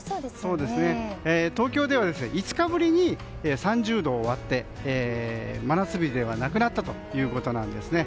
東京では５日ぶりに３０度を割って真夏日ではなくなったということなんですね。